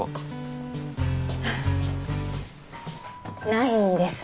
ないんです